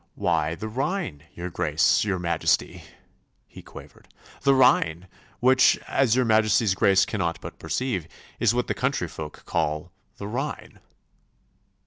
'Why, the rhine, your Grace, your Majesty,' he quavered. 'The rhine, which, as your Majesty's Grace cannot but perceive, is what the country folk call the rhine.